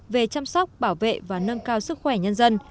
về chăm sóc bảo vệ và nâng cao sức khỏe nhân dân